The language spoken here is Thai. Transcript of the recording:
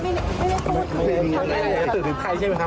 ไม่ได้พูดถึงทำอะไรนะครับ